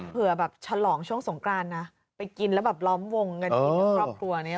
เผื่อแบบชะลองช่วงสงครานนะไปกินแล้วแบบล้อมวงกันที่ครอบครัว